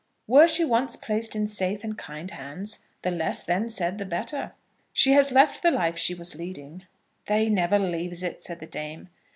Were she once placed in safe and kind hands, the less then said the better. She has left the life she was leading " "They never leaves it," said the dame.